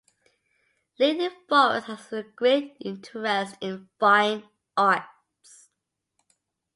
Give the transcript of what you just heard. Lady Forrest had a great interest in fine arts.